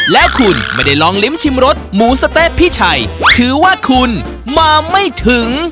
และคุณไม่ได้ลองลิ้มชิมรสหมูสะเต๊ะพี่ชัยถือว่าคุณมาไม่ถึง